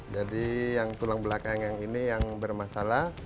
jadi yang tulang belakang ini yang bermasalah